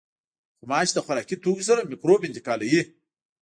غوماشې د خوراکي توکو سره مکروب انتقالوي.